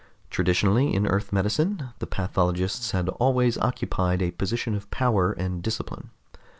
Traditionally in Earth medicine, the pathologists had always occupied a position of power and discipline.